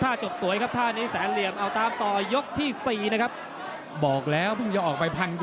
อัศการไม่ดีเลยนะครับ